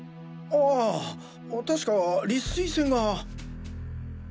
ああ確か立水栓が。